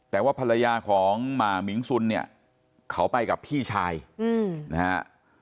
แต่ว่าภรรยาของมิงสุนเนี่ยเขาไปกับพี่ชายนะฮะ